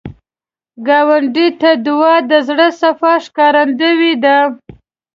ګاونډي ته دعا، د زړه صفا ښکارندویي ده